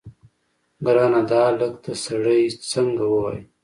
ګرانه دا الک ته سړی څنګه ووايي.